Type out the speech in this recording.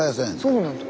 そうなんです